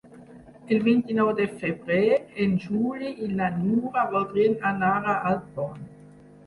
El vint-i-nou de febrer en Juli i na Nura voldrien anar a Alpont.